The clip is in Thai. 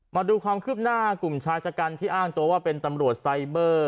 มาดูความคืบหน้ากลุ่มชายชะกันที่อ้างตัวว่าเป็นตำรวจไซเบอร์